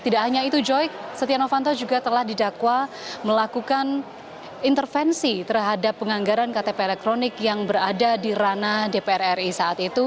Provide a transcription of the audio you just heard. tidak hanya itu joy setia novanto juga telah didakwa melakukan intervensi terhadap penganggaran ktp elektronik yang berada di ranah dpr ri saat itu